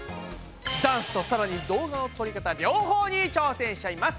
ダンスとさらに動画の撮りかた両方に挑戦しちゃいます！